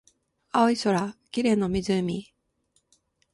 青い空、綺麗な湖